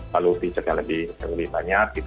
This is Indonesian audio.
lalu fiturnya lebih banyak gitu